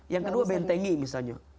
yang kedua bentengi misalnya